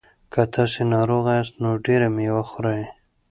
که تاسي ناروغه یاست نو ډېره مېوه خورئ.